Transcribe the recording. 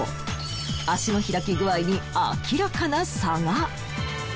脚の開き具合に明らかな差が。